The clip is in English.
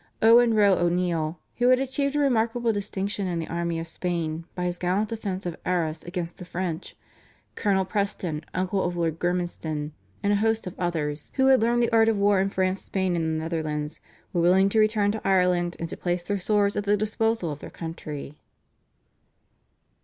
Owen Roe O'Neill, who had achieved a remarkable distinction in the army of Spain by his gallant defence of Arras against the French, Colonel Preston, uncle of Lord Gormanston, and a host of others, who had learned the art of war in France, Spain, and the Netherlands, were willing to return to Ireland and to place their swords at the disposal of their country.